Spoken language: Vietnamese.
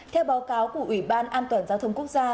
theo báo cáo của ủy ban an toàn giao thông quốc gia